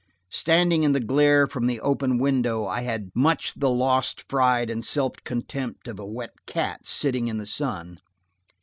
Standing in the glare from the open window, I had much the lost pride and self contempt of a wet cat sitting in the sun.